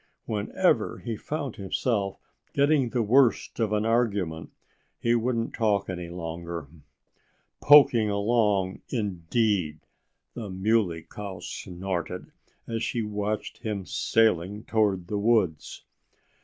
When ever he found himself getting the worst of an argument he wouldn't talk any longer. "Poking along, indeed!" the Muley Cow snorted as she watched him sailing toward the woods.